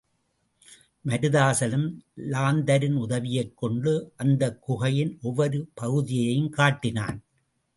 மருதாசலம் லாந்தரின் உதவியைக்கொண்டு அந்தக் குகையின் ஒவ்வொரு பகுதியையும் காட்டினான்.